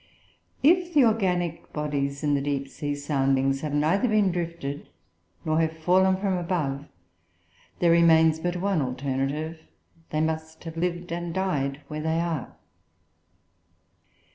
"If the organic bodies in the deep sea soundings have neither been drifted, nor have fallen from above, there remains but one alternative they must have lived and died where they are.